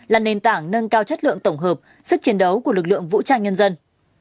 là nền tảng nâng cao chất lượng tổng hợp sức chiến đấu của lực lượng vũ trang nhân dân